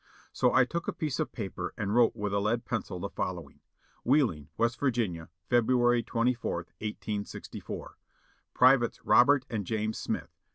So I took a piece of paper and wrote with a lead pencil the following : "Wheeling, West Virginia, February 24th, 1864. "Privates Robert and James Smith, Co.